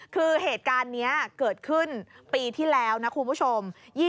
คือเหตุการณ์นี้เกิดขึ้นปีที่แล้วนะคุณผู้ชม